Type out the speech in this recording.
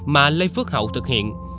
mà lê phước hậu thực hiện